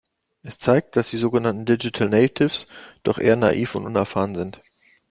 Es zeigt, dass die sogenannten Digital Natives doch eher naiv und unerfahren sind.